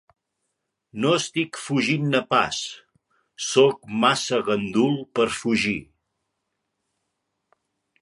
No estic fugint-ne pas, soc massa gandul per fugir.